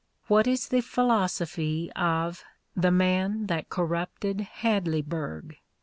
What is the philosophy of "The Man That Corrupted Hadleyburg"?